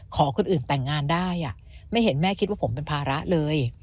ขอคนอื่นแต่งงานได้ไม่เห็นแม่คิดว่าผมเป็นภาระเลย